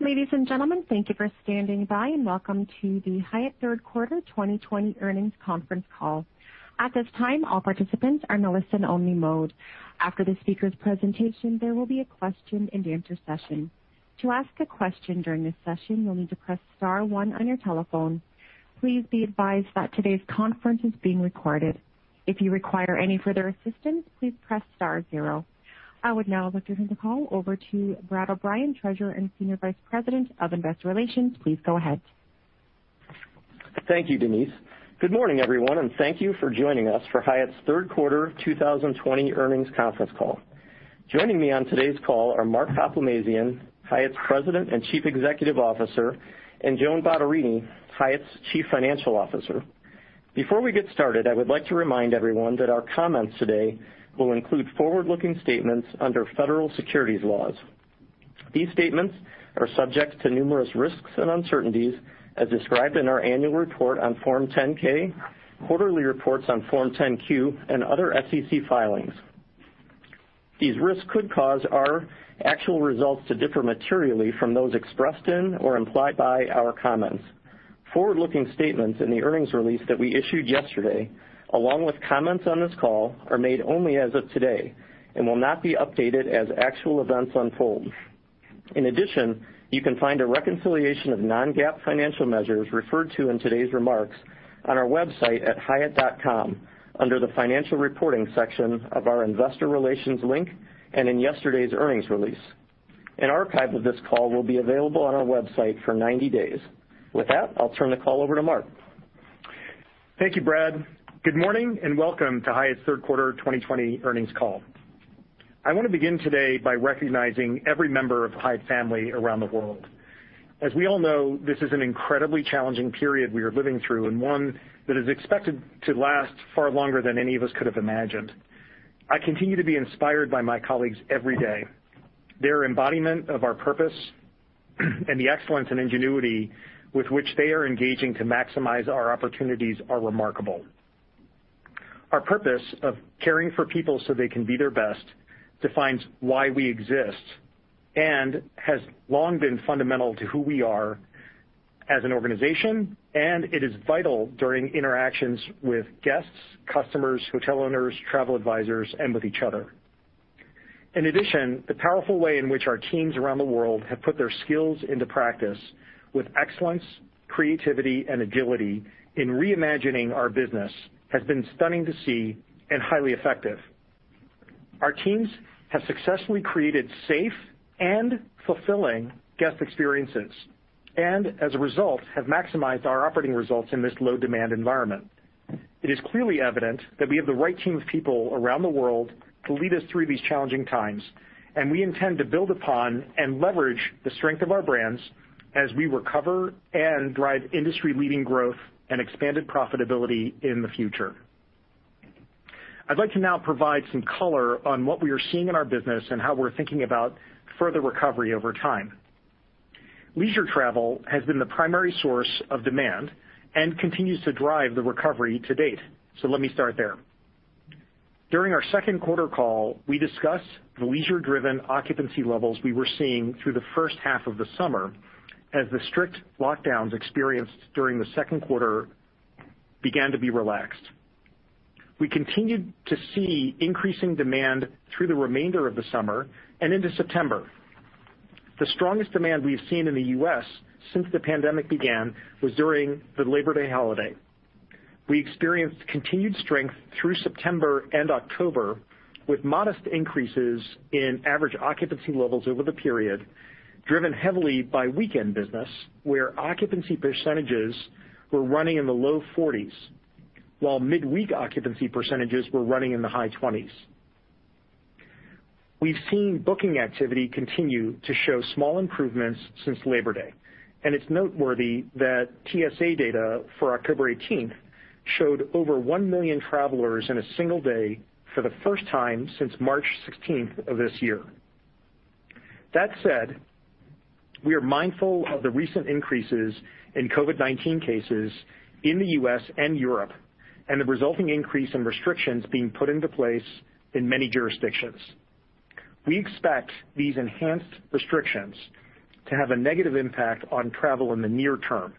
Ladies and gentlemen, thank you for standing by and welcome to the Hyatt Third Quarter 2020 earnings conference call. At this time, all participants are in a listen-only mode. After the speaker's presentation, there will be a question-and-answer session. To ask a question during this session, you'll need to press star one on your telephone. Please be advised that today's conference is being recorded. If you require any further assistance, please press star zero. I would now like to turn the call over to Brad O'Bryan, Treasurer and Senior Vice President of Investor Relations. Please go ahead. Thank you, Denise. Good morning, everyone, and thank you for joining us for Hyatt's Third Quarter 2020 earnings conference call. Joining me on today's call are Mark Hoplamazian, Hyatt's President and Chief Executive Officer, and Joan Bottarini, Hyatt's Chief Financial Officer. Before we get started, I would like to remind everyone that our comments today will include forward-looking statements under federal securities laws. These statements are subject to numerous risks and uncertainties, as described in our annual report on Form 10-K, quarterly reports on Form 10-Q, and other SEC filings. These risks could cause our actual results to differ materially from those expressed in or implied by our comments. Forward-looking statements in the earnings release that we issued yesterday, along with comments on this call, are made only as of today and will not be updated as actual events unfold. In addition, you can find a reconciliation of non-GAAP financial measures referred to in today's remarks on our website at hyatt.com under the financial reporting section of our investor relations link and in yesterday's earnings release. An archive of this call will be available on our website for 90 days. With that, I'll turn the call over to Mark. Thank you, Brad. Good morning and welcome to Hyatt's Third Quarter 2020 earnings call. I want to begin today by recognizing every member of the Hyatt family around the world. As we all know, this is an incredibly challenging period we are living through and one that is expected to last far longer than any of us could have imagined. I continue to be inspired by my colleagues every day. Their embodiment of our purpose and the excellence and ingenuity with which they are engaging to maximize our opportunities are remarkable. Our purpose of caring for people so they can be their best defines why we exist and has long been fundamental to who we are as an organization, and it is vital during interactions with guests, customers, hotel owners, travel advisors, and with each other. In addition, the powerful way in which our teams around the world have put their skills into practice with excellence, creativity, and agility in reimagining our business has been stunning to see and highly effective. Our teams have successfully created safe and fulfilling guest experiences and, as a result, have maximized our operating results in this low-demand environment. It is clearly evident that we have the right team of people around the world to lead us through these challenging times, and we intend to build upon and leverage the strength of our brands as we recover and drive industry-leading growth and expanded profitability in the future. I'd like to now provide some color on what we are seeing in our business and how we're thinking about further recovery over time. Leisure travel has been the primary source of demand and continues to drive the recovery to date, so let me start there. During our second quarter call, we discussed the leisure-driven occupancy levels we were seeing through the first half of the summer as the strict lockdowns experienced during the second quarter began to be relaxed. We continued to see increasing demand through the remainder of the summer and into September. The strongest demand we've seen in the U.S. since the pandemic began was during the Labor Day holiday. We experienced continued strength through September and October with modest increases in average occupancy levels over the period, driven heavily by weekend business where occupancy percentages were running in the low 40% while midweek occupancy percentages were running in the high 20%. We've seen booking activity continue to show small improvements since Labor Day, and it's noteworthy that TSA data for October 18th showed over 1 million travelers in a single day for the first time since March 16th of this year. That said, we are mindful of the recent increases in COVID-19 cases in the U.S. and Europe and the resulting increase in restrictions being put into place in many jurisdictions. We expect these enhanced restrictions to have a negative impact on travel in the near term,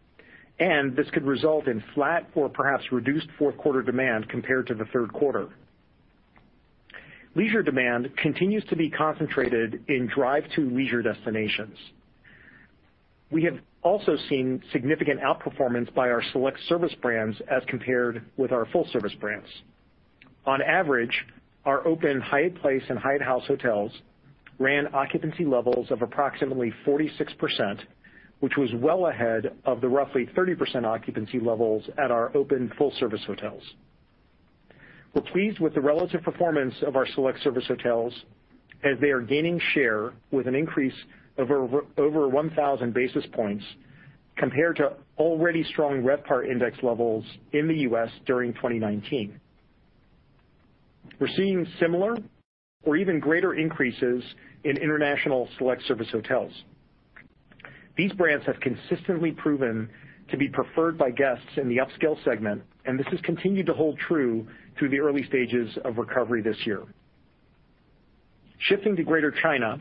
and this could result in flat or perhaps reduced fourth quarter demand compared to the third quarter. Leisure demand continues to be concentrated in drive-to leisure destinations. We have also seen significant outperformance by our select service brands as compared with our full-service brands. On average, our open Hyatt Place and Hyatt House hotels ran occupancy levels of approximately 46%, which was well ahead of the roughly 30% occupancy levels at our open full-service hotels. We're pleased with the relative performance of our select service hotels as they are gaining share with an increase of over 1,000 basis points compared to already strong RevPAR index levels in the U.S. during 2019. We're seeing similar or even greater increases in international select service hotels. These brands have consistently proven to be preferred by guests in the upscale segment, and this has continued to hold true through the early stages of recovery this year. Shifting to Greater China,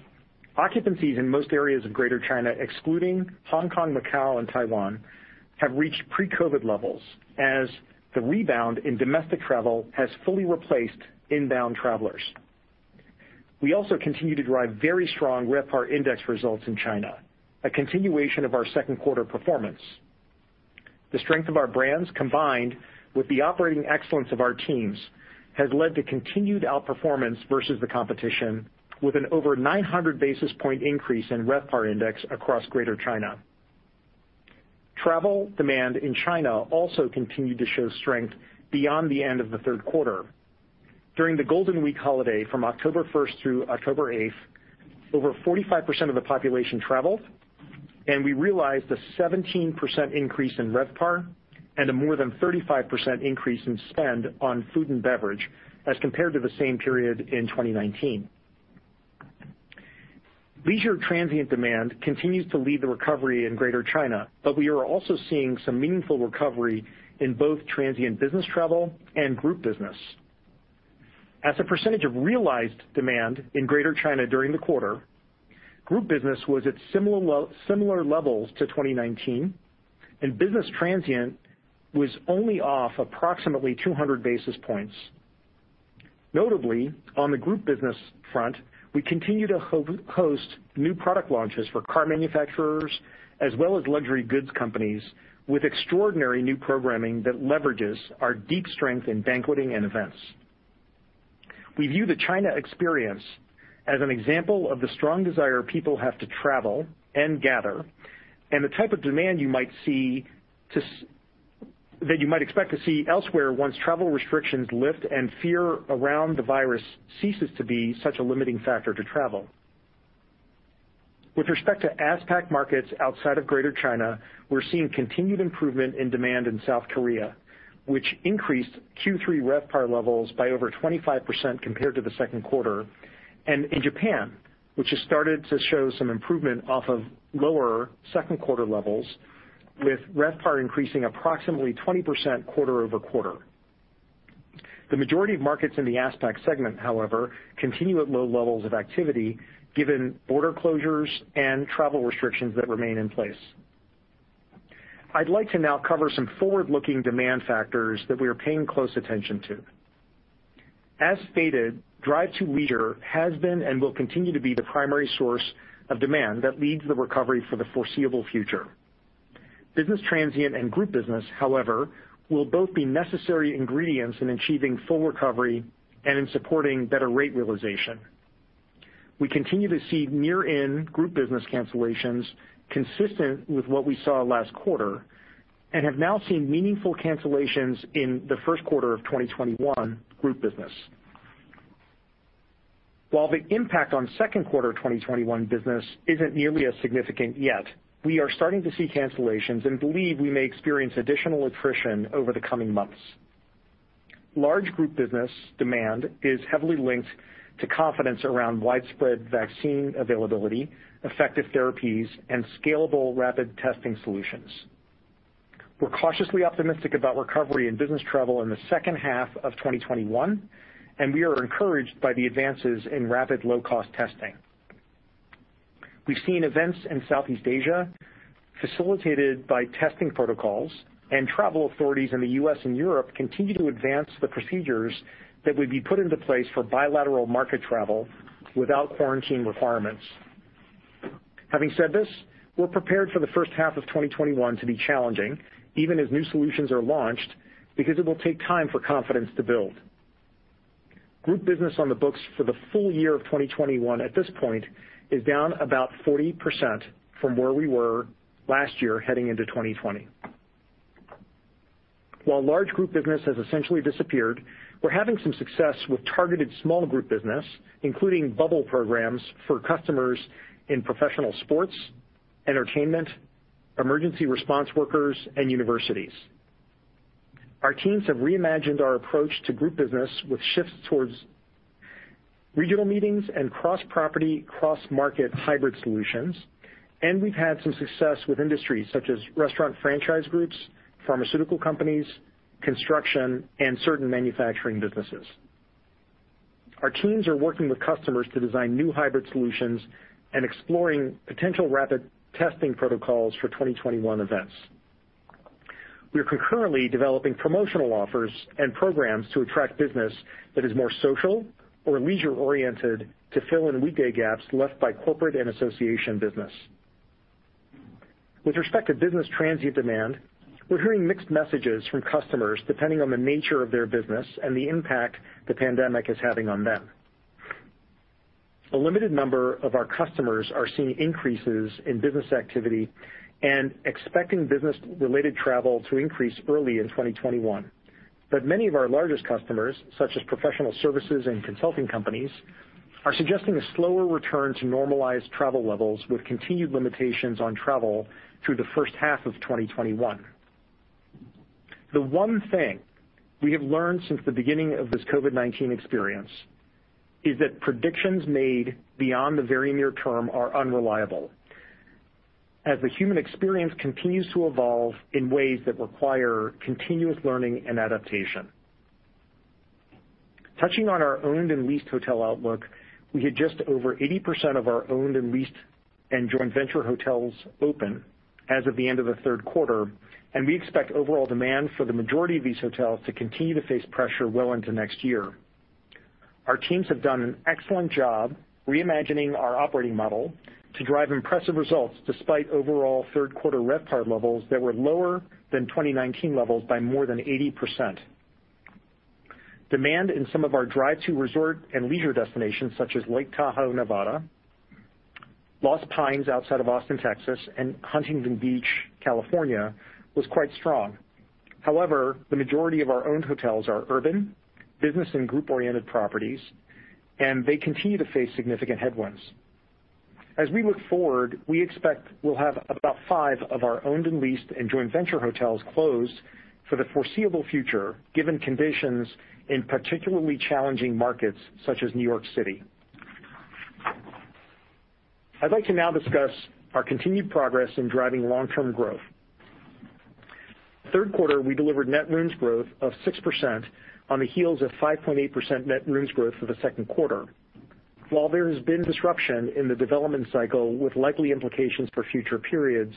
occupancies in most areas of Greater China, excluding Hong Kong, Macau, and Taiwan, have reached pre-COVID levels as the rebound in domestic travel has fully replaced inbound travelers. We also continue to drive very strong RevPAR index results in China, a continuation of our second quarter performance. The strength of our brands, combined with the operating excellence of our teams, has led to continued outperformance versus the competition, with an over 900 basis point increase in RevPAR index across Greater China. Travel demand in China also continued to show strength beyond the end of the third quarter. During the Golden Week holiday from October 1st through October 8th, over 45% of the population traveled, and we realized a 17% increase in RevPAR and a more than 35% increase in spend on food and beverage as compared to the same period in 2019. Leisure transient demand continues to lead the recovery in Greater China, but we are also seeing some meaningful recovery in both transient business travel and group business. As a percentage of realized demand in Greater China during the quarter, group business was at similar levels to 2019, and business transient was only off approximately 200 basis points. Notably, on the group business front, we continue to host new product launches for car manufacturers as well as luxury goods companies with extraordinary new programming that leverages our deep strength in banqueting and events. We view the China experience as an example of the strong desire people have to travel and gather and the type of demand you might see that you might expect to see elsewhere once travel restrictions lift and fear around the virus ceases to be such a limiting factor to travel. With respect to ASPAC markets outside of Greater China, we're seeing continued improvement in demand in South Korea, which increased Q3 RevPAR levels by over 25% compared to the second quarter, and in Japan, which has started to show some improvement off of lower second quarter levels, with RevPAR increasing approximately 20% quarter over quarter. The majority of markets in the ASPAC segment, however, continue at low levels of activity given border closures and travel restrictions that remain in place. I'd like to now cover some forward-looking demand factors that we are paying close attention to. As stated, drive-to leisure has been and will continue to be the primary source of demand that leads the recovery for the foreseeable future. Business transient and group business, however, will both be necessary ingredients in achieving full recovery and in supporting better rate realization. We continue to see near-in group business cancellations consistent with what we saw last quarter and have now seen meaningful cancellations in the first quarter of 2021 group business. While the impact on second quarter 2021 business is not nearly as significant yet, we are starting to see cancellations and believe we may experience additional attrition over the coming months. Large group business demand is heavily linked to confidence around widespread vaccine availability, effective therapies, and scalable rapid testing solutions. We are cautiously optimistic about recovery in business travel in the second half of 2021, and we are encouraged by the advances in rapid low-cost testing. We have seen events in Southeast Asia facilitated by testing protocols, and travel authorities in the U.S. and Europe continue to advance the procedures that would be put into place for bilateral market travel without quarantine requirements. Having said this, we're prepared for the first half of 2021 to be challenging, even as new solutions are launched, because it will take time for confidence to build. Group business on the books for the full year of 2021 at this point is down about 40% from where we were last year heading into 2020. While large group business has essentially disappeared, we're having some success with targeted small group business, including bubble programs for customers in professional sports, entertainment, emergency response workers, and universities. Our teams have reimagined our approach to group business with shifts towards regional meetings and cross-property, cross-market hybrid solutions, and we've had some success with industries such as restaurant franchise groups, pharmaceutical companies, construction, and certain manufacturing businesses. Our teams are working with customers to design new hybrid solutions and exploring potential rapid testing protocols for 2021 events. We're concurrently developing promotional offers and programs to attract business that is more social or leisure-oriented to fill in weekday gaps left by corporate and association business. With respect to business transient demand, we're hearing mixed messages from customers depending on the nature of their business and the impact the pandemic is having on them. A limited number of our customers are seeing increases in business activity and expecting business-related travel to increase early in 2021, but many of our largest customers, such as professional services and consulting companies, are suggesting a slower return to normalized travel levels with continued limitations on travel through the first half of 2021. The one thing we have learned since the beginning of this COVID-19 experience is that predictions made beyond the very near term are unreliable, as the human experience continues to evolve in ways that require continuous learning and adaptation. Touching on our owned and leased hotel outlook, we had just over 80% of our owned and leased and joint venture hotels open as of the end of the third quarter, and we expect overall demand for the majority of these hotels to continue to face pressure well into next year. Our teams have done an excellent job reimagining our operating model to drive impressive results despite overall third quarter RevPAR levels that were lower than 2019 levels by more than 80%. Demand in some of our drive-to resort and leisure destinations, such as Lake Tahoe, Nevada, Lost Pines outside of Austin, Texas, and Huntington Beach, California, was quite strong. However, the majority of our owned hotels are urban, business, and group-oriented properties, and they continue to face significant headwinds. As we look forward, we expect we'll have about five of our owned and leased and joint venture hotels closed for the foreseeable future, given conditions in particularly challenging markets such as New York City. I'd like to now discuss our continued progress in driving long-term growth. Third quarter, we delivered net rooms growth of 6% on the heels of 5.8% net rooms growth for the second quarter. While there has been disruption in the development cycle with likely implications for future periods,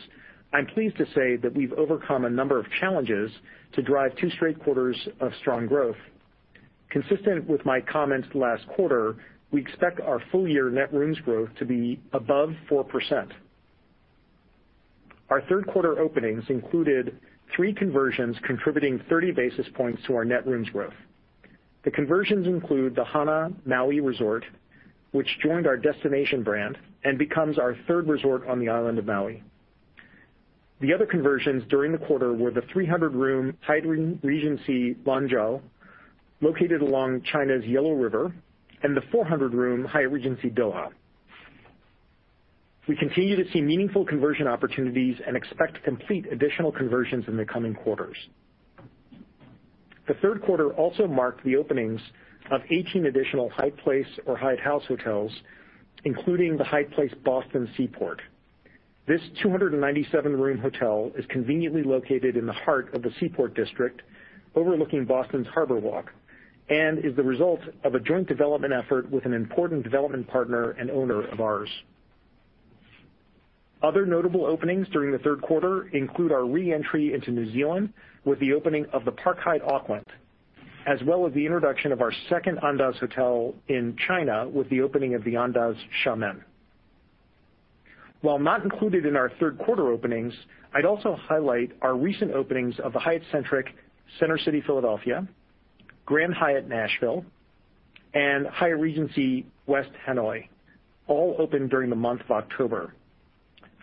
I'm pleased to say that we've overcome a number of challenges to drive two straight quarters of strong growth. Consistent with my comments last quarter, we expect our full-year net rooms growth to be above 4%. Our third quarter openings included three conversions contributing 30 basis points to our net rooms growth. The conversions include the Hana-Maui Resort, which joined our Destination by Hyatt brand and becomes our third resort on the island of Maui. The other conversions during the quarter were the 300-room Hyatt Regency Lanzhou, located along China's Yellow River, and the 400-room Hyatt Regency Doha. We continue to see meaningful conversion opportunities and expect to complete additional conversions in the coming quarters. The third quarter also marked the openings of 18 additional Hyatt Place or Hyatt House hotels, including the Hyatt Place Boston Seaport. This 297-room hotel is conveniently located in the heart of the Seaport District, overlooking Boston's Harborwalk, and is the result of a joint development effort with an important development partner and owner of ours. Other notable openings during the third quarter include our re-entry into New Zealand with the opening of the Park Hyatt Auckland, as well as the introduction of our second Andaz hotel in China with the opening of the Andaz Xiamen. While not included in our third quarter openings, I'd also highlight our recent openings of the Hyatt Centric Center City Philadelphia, Grand Hyatt Nashville, and Hyatt Regency West Hanoi, all opened during the month of October.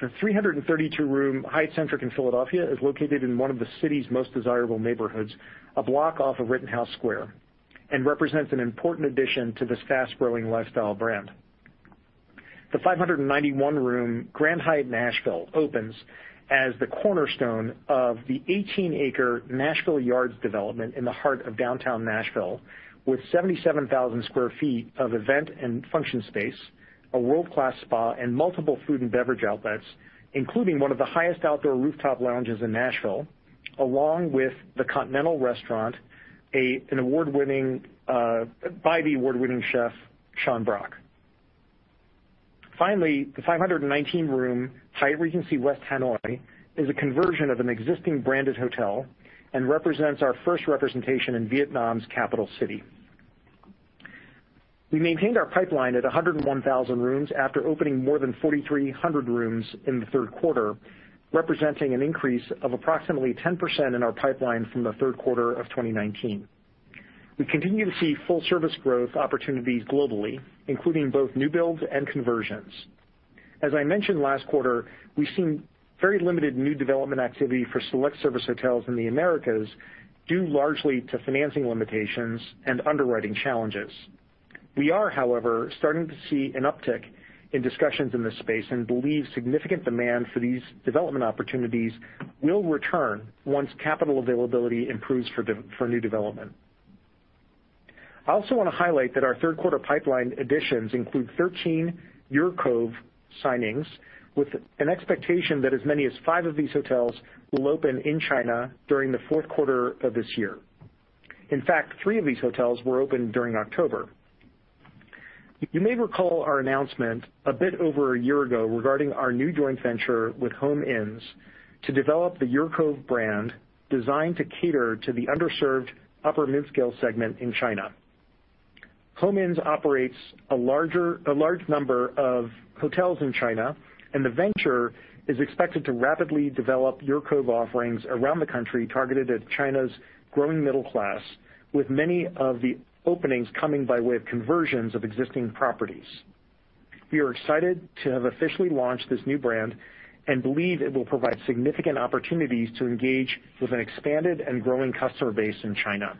The 332-room Hyatt Centric in Philadelphia is located in one of the city's most desirable neighborhoods, a block off of Rittenhouse Square, and represents an important addition to this fast-growing lifestyle brand. The 591-room Grand Hyatt Nashville opens as the cornerstone of the 18-acre Nashville Yards development in the heart of downtown Nashville, with 77,000 sq ft of event and function space, a world-class spa, and multiple food and beverage outlets, including one of the highest outdoor rooftop lounges in Nashville, along with the Continental Restaurant, by the award-winning chef, Sean Brock. Finally, the 519-room Hyatt Regency West Hanoi is a conversion of an existing branded hotel and represents our first representation in Vietnam's capital city. We maintained our pipeline at 101,000 rooms after opening more than 4,300 rooms in the third quarter, representing an increase of approximately 10% in our pipeline from the third quarter of 2019. We continue to see full-service growth opportunities globally, including both new builds and conversions. As I mentioned last quarter, we've seen very limited new development activity for select service hotels in the Americas due largely to financing limitations and underwriting challenges. We are, however, starting to see an uptick in discussions in this space and believe significant demand for these development opportunities will return once capital availability improves for new development. I also want to highlight that our third quarter pipeline additions include 13 UrCove signings, with an expectation that as many as five of these hotels will open in China during the fourth quarter of this year. In fact, three of these hotels were opened during October. You may recall our announcement a bit over a year ago regarding our new joint venture with Home Inns to develop the UrCove brand designed to cater to the underserved upper-mid-scale segment in China. Home Inns operates a large number of hotels in China, and the venture is expected to rapidly develop UrCove offerings around the country targeted at China's growing middle class, with many of the openings coming by way of conversions of existing properties. We are excited to have officially launched this new brand and believe it will provide significant opportunities to engage with an expanded and growing customer base in China.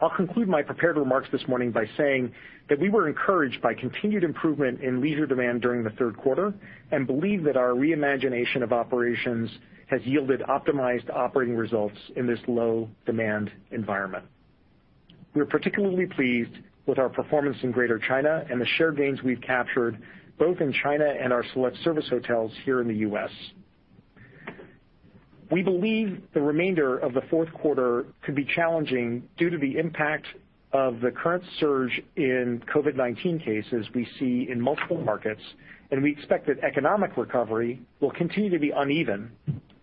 I'll conclude my prepared remarks this morning by saying that we were encouraged by continued improvement in leisure demand during the third quarter and believe that our reimagination of operations has yielded optimized operating results in this low-demand environment. We're particularly pleased with our performance in Greater China and the share gains we've captured both in China and our select service hotels here in the U.S. We believe the remainder of the fourth quarter could be challenging due to the impact of the current surge in COVID-19 cases we see in multiple markets, and we expect that economic recovery will continue to be uneven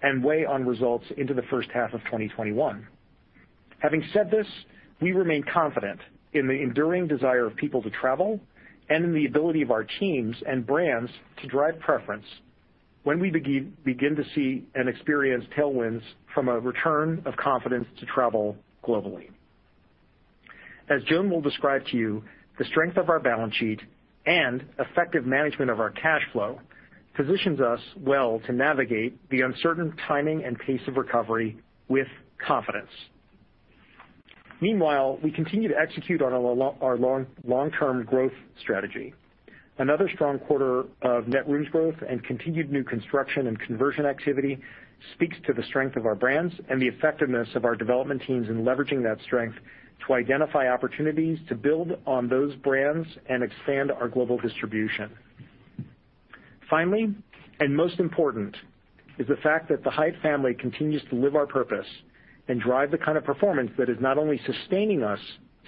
and weigh on results into the first half of 2021. Having said this, we remain confident in the enduring desire of people to travel and in the ability of our teams and brands to drive preference when we begin to see and experience tailwinds from a return of confidence to travel globally. As Joan will describe to you, the strength of our balance sheet and effective management of our cash flow positions us well to navigate the uncertain timing and pace of recovery with confidence. Meanwhile, we continue to execute on our long-term growth strategy. Another strong quarter of net rooms growth and continued new construction and conversion activity speaks to the strength of our brands and the effectiveness of our development teams in leveraging that strength to identify opportunities to build on those brands and expand our global distribution. Finally, and most important, is the fact that the Hyatt family continues to live our purpose and drive the kind of performance that is not only sustaining us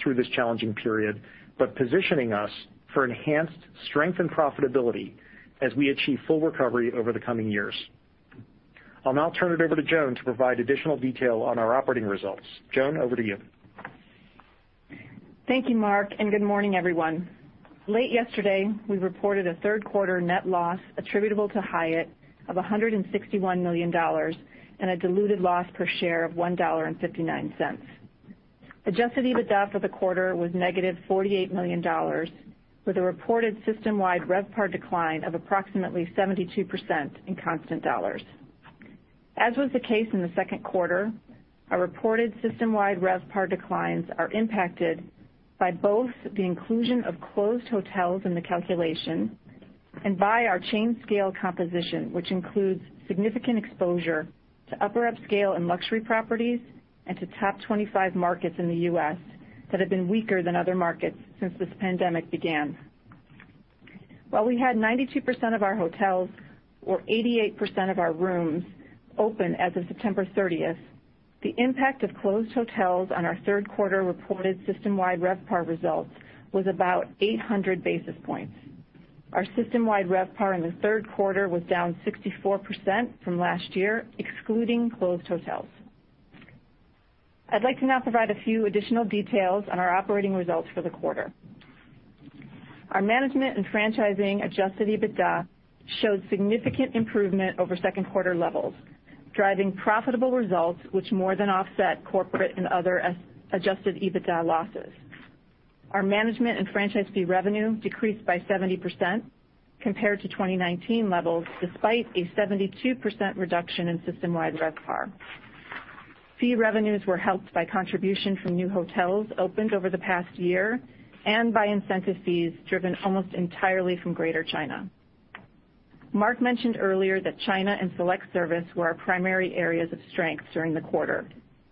through this challenging period but positioning us for enhanced strength and profitability as we achieve full recovery over the coming years. I'll now turn it over to Joan to provide additional detail on our operating results. Joan, over to you. Thank you, Mark, and good morning, everyone. Late yesterday, we reported a third quarter net loss attributable to Hyatt of $161 million and a diluted loss per share of $1.59. Adjusted EBITDA for the quarter was negative $48 million, with a reported system-wide RevPAR decline of approximately 72% in constant dollars. As was the case in the second quarter, our reported system-wide RevPAR declines are impacted by both the inclusion of closed hotels in the calculation and by our chain-scale composition, which includes significant exposure to upper-upscale and luxury properties and to top 25 markets in the U.S. that have been weaker than other markets since this pandemic began. While we had 92% of our hotels or 88% of our rooms open as of September 30th, the impact of closed hotels on our third quarter reported system-wide RevPAR results was about 800 basis points. Our system-wide RevPAR in the third quarter was down 64% from last year, excluding closed hotels. I'd like to now provide a few additional details on our operating results for the quarter. Our management and franchising adjusted EBITDA showed significant improvement over second quarter levels, driving profitable results which more than offset corporate and other adjusted EBITDA losses. Our management and franchise fee revenue decreased by 70% compared to 2019 levels, despite a 72% reduction in system-wide RevPAR. Fee revenues were helped by contributions from new hotels opened over the past year and by incentive fees driven almost entirely from Greater China. Mark mentioned earlier that China and select service were our primary areas of strength during the quarter,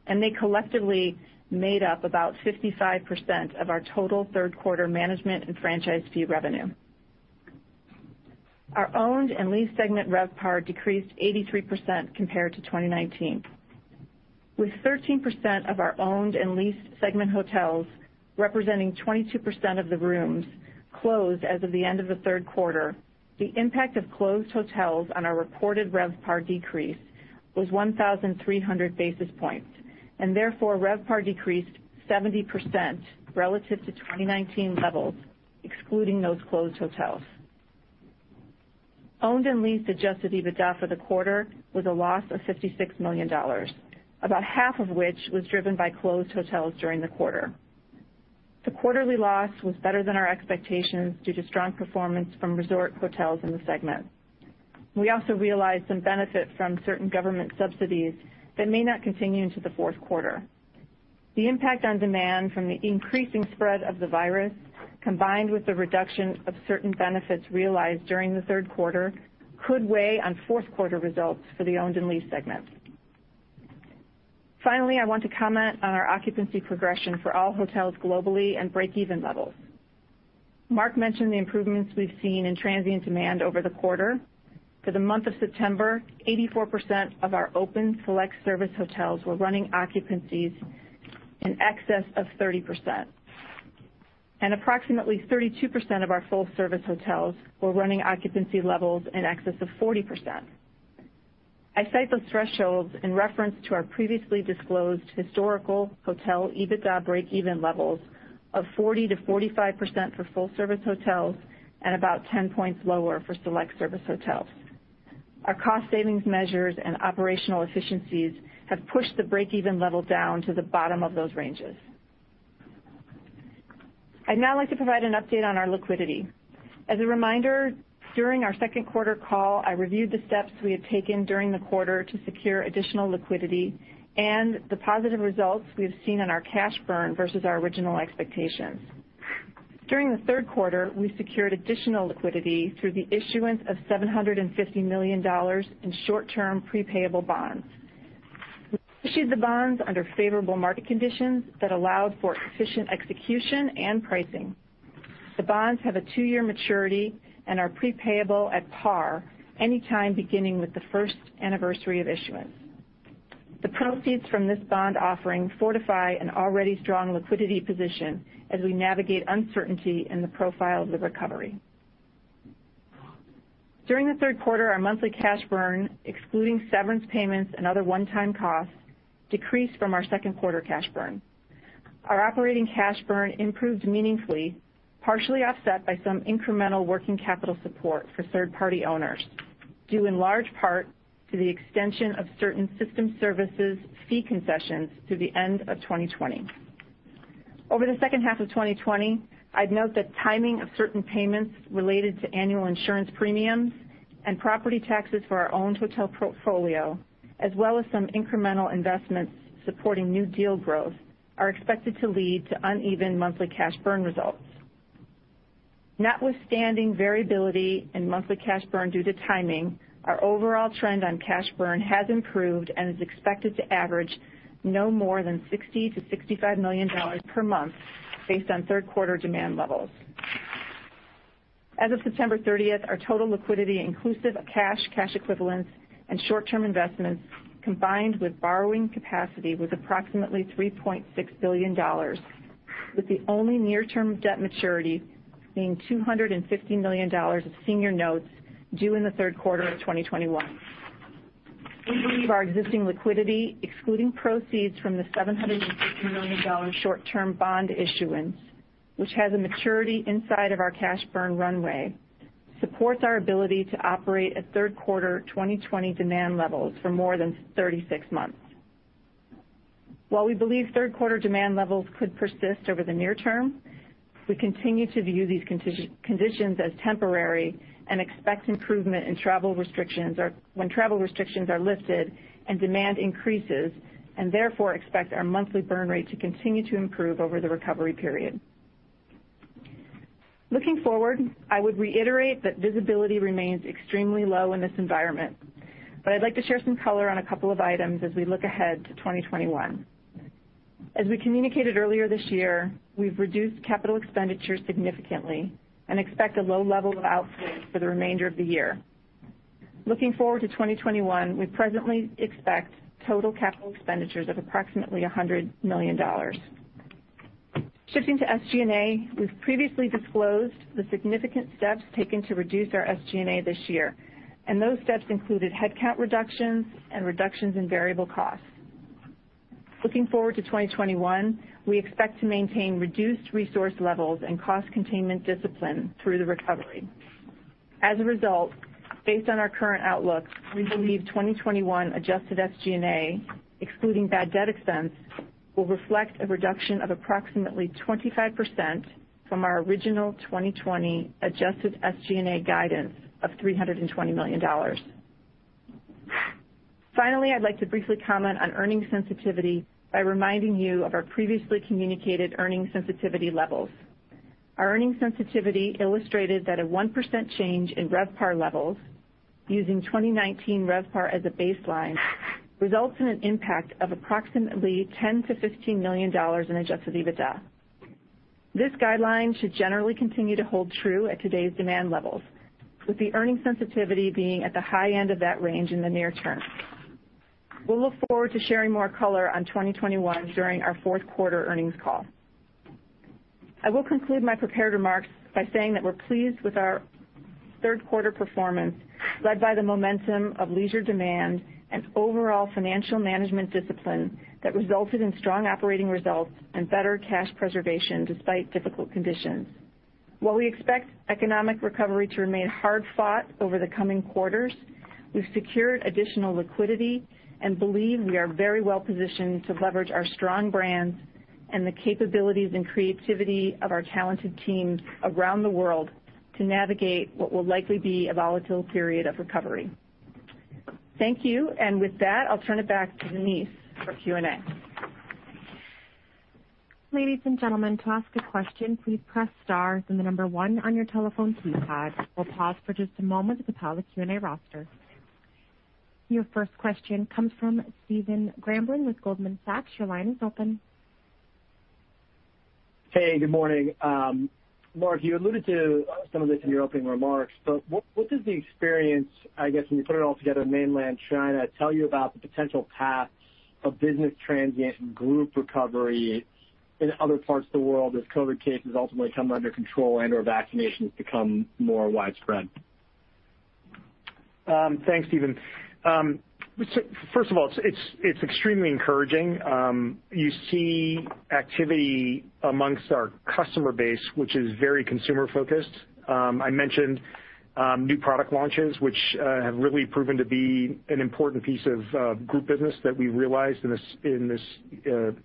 and they collectively made up about 55% of our total third quarter management and franchise fee revenue. Our owned and leased segment RevPAR decreased 83% compared to 2019. With 13% of our owned and leased segment hotels representing 22% of the rooms closed as of the end of the third quarter, the impact of closed hotels on our reported RevPAR decrease was 1,300 basis points, and therefore RevPAR decreased 70% relative to 2019 levels, excluding those closed hotels. Owned and leased adjusted EBITDA for the quarter was a loss of $56 million, about half of which was driven by closed hotels during the quarter. The quarterly loss was better than our expectations due to strong performance from resort hotels in the segment. We also realized some benefit from certain government subsidies that may not continue into the fourth quarter. The impact on demand from the increasing spread of the virus, combined with the reduction of certain benefits realized during the third quarter, could weigh on fourth quarter results for the owned and leased segment. Finally, I want to comment on our occupancy progression for all hotels globally and break-even levels. Mark mentioned the improvements we've seen in transient demand over the quarter. For the month of September, 84% of our open select service hotels were running occupancies in excess of 30%, and approximately 32% of our full-service hotels were running occupancy levels in excess of 40%. I cite those thresholds in reference to our previously disclosed historical hotel EBITDA break-even levels of 40%-45% for full-service hotels and about 10 percentage points lower for select service hotels. Our cost savings measures and operational efficiencies have pushed the break-even level down to the bottom of those ranges. I'd now like to provide an update on our liquidity. As a reminder, during our second quarter call, I reviewed the steps we had taken during the quarter to secure additional liquidity and the positive results we have seen in our cash burn versus our original expectations. During the third quarter, we secured additional liquidity through the issuance of $750 million in short-term prepayable bonds. We issued the bonds under favorable market conditions that allowed for efficient execution and pricing. The bonds have a two-year maturity and are prepayable at par anytime beginning with the first anniversary of issuance. The proceeds from this bond offering fortify an already strong liquidity position as we navigate uncertainty in the profile of the recovery. During the third quarter, our monthly cash burn, excluding severance payments and other one-time costs, decreased from our second quarter cash burn. Our operating cash burn improved meaningfully, partially offset by some incremental working capital support for third-party owners, due in large part to the extension of certain system services fee concessions to the end of 2020. Over the second half of 2020, I'd note that timing of certain payments related to annual insurance premiums and property taxes for our owned hotel portfolio, as well as some incremental investments supporting new deal growth, are expected to lead to uneven monthly cash burn results. Notwithstanding variability in monthly cash burn due to timing, our overall trend on cash burn has improved and is expected to average no more than $60 million-$65 million per month based on third quarter demand levels. As of September 30, our total liquidity, inclusive of cash, cash equivalents, and short-term investments, combined with borrowing capacity, was approximately $3.6 billion, with the only near-term debt maturity being $250 million of senior notes due in the third quarter of 2021. We believe our existing liquidity, excluding proceeds from the $750 million short-term bond issuance, which has a maturity inside of our cash burn runway, supports our ability to operate at third quarter 2020 demand levels for more than 36 months. While we believe third quarter demand levels could persist over the near term, we continue to view these conditions as temporary and expect improvement when travel restrictions are lifted and demand increases, and therefore expect our monthly burn rate to continue to improve over the recovery period. Looking forward, I would reiterate that visibility remains extremely low in this environment, but I'd like to share some color on a couple of items as we look ahead to 2021. As we communicated earlier this year, we've reduced capital expenditures significantly and expect a low level of outflow for the remainder of the year. Looking forward to 2021, we presently expect total capital expenditures of approximately $100 million. Shifting to SG&A, we've previously disclosed the significant steps taken to reduce our SG&A this year, and those steps included headcount reductions and reductions in variable costs. Looking forward to 2021, we expect to maintain reduced resource levels and cost containment discipline through the recovery. As a result, based on our current outlook, we believe 2021 adjusted SG&A, excluding bad debt expense, will reflect a reduction of approximately 25% from our original 2020 adjusted SG&A guidance of $320 million. Finally, I'd like to briefly comment on earnings sensitivity by reminding you of our previously communicated earnings sensitivity levels. Our earnings sensitivity illustrated that a 1% change in RevPAR levels, using 2019 RevPAR as a baseline, results in an impact of approximately $10 million-$15 million in adjusted EBITDA. This guideline should generally continue to hold true at today's demand levels, with the earnings sensitivity being at the high end of that range in the near term. We'll look forward to sharing more color on 2021 during our fourth quarter earnings call. I will conclude my prepared remarks by saying that we're pleased with our third quarter performance, led by the momentum of leisure demand and overall financial management discipline that resulted in strong operating results and better cash preservation despite difficult conditions. While we expect economic recovery to remain hard-fought over the coming quarters, we've secured additional liquidity and believe we are very well positioned to leverage our strong brands and the capabilities and creativity of our talented teams around the world to navigate what will likely be a volatile period of recovery. Thank you, and with that, I'll turn it back to Denise for Q&A. Ladies and gentlemen, to ask a question, please press star and the number one on your telephone keypad. We'll pause for just a moment to compile the Q&A roster. Your first question comes from Stephen Grambling with Goldman Sachs. Your line is open. Hey, good morning. Mark, you alluded to some of this in your opening remarks, but what does the experience, I guess, when you put it all together, mainland China, tell you about the potential path of business transient and group recovery in other parts of the world as COVID cases ultimately come under control and/or vaccinations become more widespread? Thanks, Steven. First of all, it's extremely encouraging. You see activity amongst our customer base, which is very consumer-focused. I mentioned new product launches, which have really proven to be an important piece of group business that we realized in this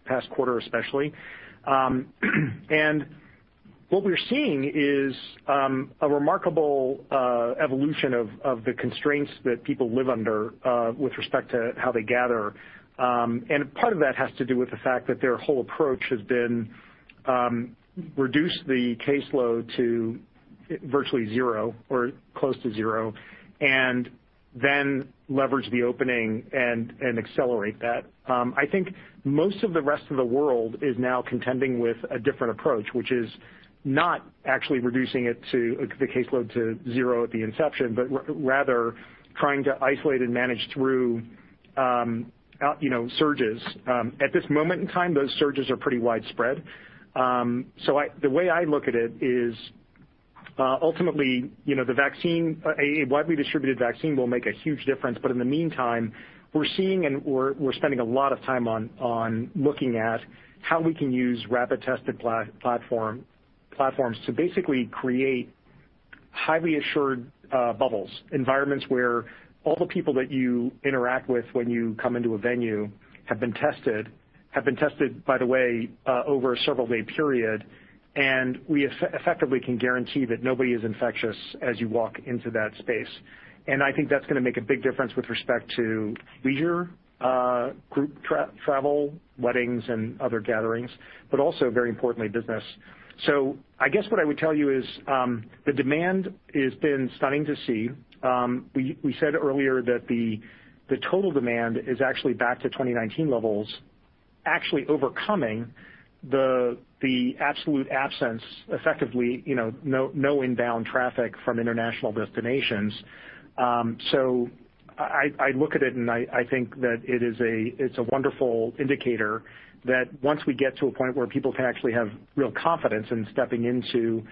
past quarter, especially. What we're seeing is a remarkable evolution of the constraints that people live under with respect to how they gather. Part of that has to do with the fact that their whole approach has been reduce the caseload to virtually zero or close to zero, and then leverage the opening and accelerate that. I think most of the rest of the world is now contending with a different approach, which is not actually reducing the caseload to zero at the inception, but rather trying to isolate and manage through surges. At this moment in time, those surges are pretty widespread. The way I look at it is ultimately, a widely distributed vaccine will make a huge difference, but in the meantime, we're seeing and we're spending a lot of time on looking at how we can use rapid tested platforms to basically create highly assured bubbles, environments where all the people that you interact with when you come into a venue have been tested, by the way, over a several-day period, and we effectively can guarantee that nobody is infectious as you walk into that space. I think that's going to make a big difference with respect to leisure, group travel, weddings, and other gatherings, but also, very importantly, business. I guess what I would tell you is the demand has been stunning to see. We said earlier that the total demand is actually back to 2019 levels, actually overcoming the absolute absence, effectively no inbound traffic from international destinations. I look at it, and I think that it's a wonderful indicator that once we get to a point where people can actually have real confidence in stepping into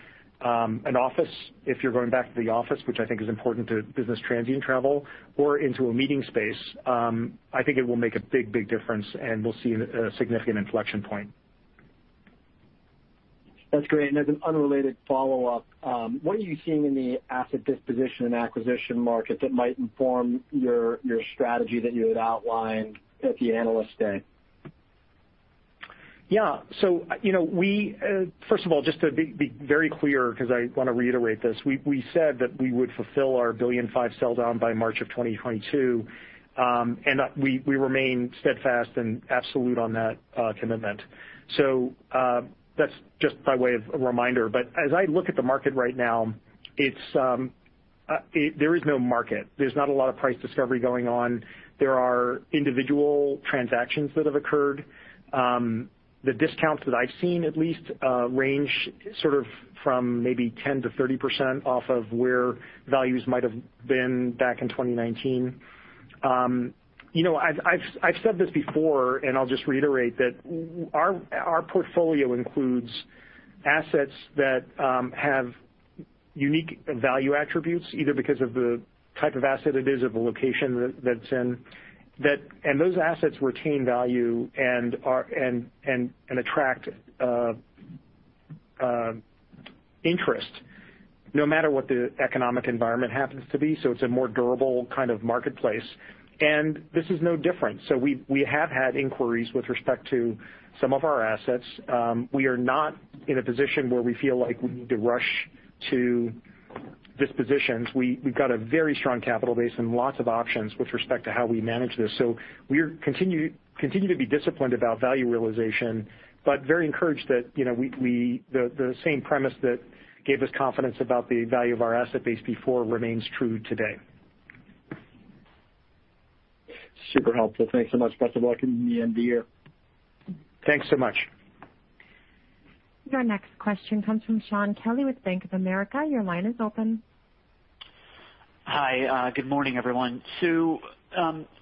an office, if you're going back to the office, which I think is important to business transient travel, or into a meeting space, I think it will make a big, big difference, and we'll see a significant inflection point. That's great. As an unrelated follow-up, what are you seeing in the asset disposition and acquisition market that might inform your strategy that you had outlined at the analyst day? Yeah. First of all, just to be very clear, because I want to reiterate this, we said that we would fulfill our $1.5 billion sell down by March of 2022, and we remain steadfast and absolute on that commitment. That is just by way of a reminder. As I look at the market right now, there is no market. There is not a lot of price discovery going on. There are individual transactions that have occurred. The discounts that I have seen, at least, range sort of from maybe 10%-30% off of where values might have been back in 2019. I have said this before, and I will just reiterate that our portfolio includes assets that have unique value attributes, either because of the type of asset it is, or the location that it is in, and those assets retain value and attract interest no matter what the economic environment happens to be. It's a more durable kind of marketplace, and this is no different. We have had inquiries with respect to some of our assets. We are not in a position where we feel like we need to rush to dispositions. We've got a very strong capital base and lots of options with respect to how we manage this. We continue to be disciplined about value realization, but very encouraged that the same premise that gave us confidence about the value of our asset base before remains true today. Super helpful. Thanks so much, in the year. Thanks so much. Your next question comes from Shaun Kelly with Bank of America. Your line is open. Hi. Good morning, everyone.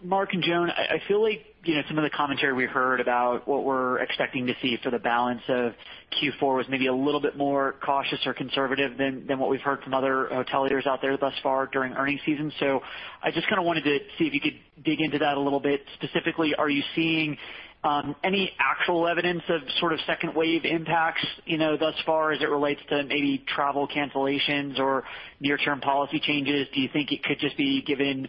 Mark and Joan, I feel like some of the commentary we heard about what we're expecting to see for the balance of Q4 was maybe a little bit more cautious or conservative than what we've heard from other hoteliers out there thus far during earnings season. I just kind of wanted to see if you could dig into that a little bit. Specifically, are you seeing any actual evidence of sort of second-wave impacts thus far as it relates to maybe travel cancellations or near-term policy changes? Do you think it could just be given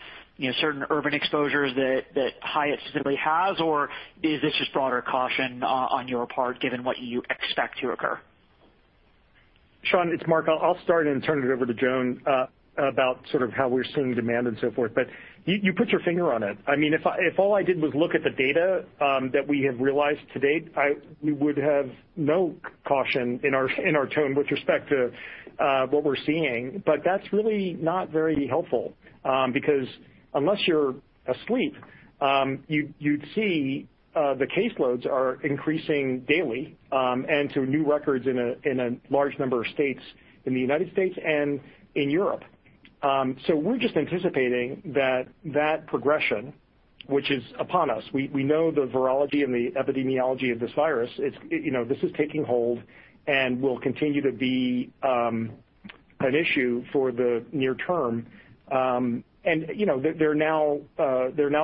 certain urban exposures that Hyatt specifically has, or is this just broader caution on your part given what you expect to occur? Sean, it's Mark. I'll start and turn it over to Joan about sort of how we're seeing demand and so forth, but you put your finger on it. I mean, if all I did was look at the data that we have realized to date, we would have no caution in our tone with respect to what we're seeing, but that's really not very helpful because unless you're asleep, you'd see the caseloads are increasing daily and to new records in a large number of states in the U.S. and in Europe. We are just anticipating that that progression, which is upon us. We know the virology and the epidemiology of this virus. This is taking hold and will continue to be an issue for the near term. There are now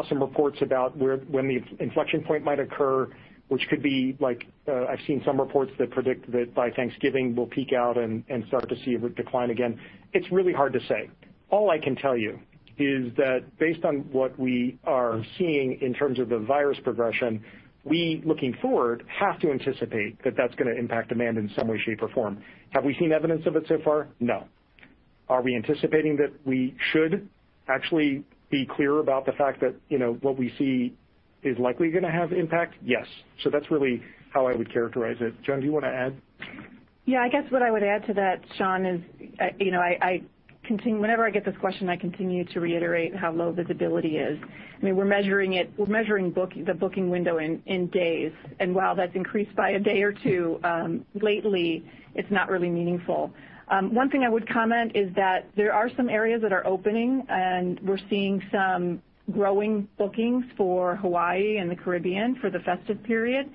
some reports about when the inflection point might occur, which could be like I've seen some reports that predict that by Thanksgiving we'll peak out and start to see a decline again. It's really hard to say. All I can tell you is that based on what we are seeing in terms of the virus progression, we looking forward have to anticipate that that's going to impact demand in some way, shape, or form. Have we seen evidence of it so far? No. Are we anticipating that we should actually be clear about the fact that what we see is likely going to have impact? Yes. That is really how I would characterize it. Joan, do you want to add? Yeah. I guess what I would add to that, Sean, is whenever I get this question, I continue to reiterate how low visibility is. I mean, we're measuring the booking window in days, and while that's increased by a day or two lately, it's not really meaningful. One thing I would comment is that there are some areas that are opening, and we're seeing some growing bookings for Hawaii and the Caribbean for the festive period.